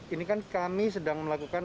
ini kan kami sedang melakukan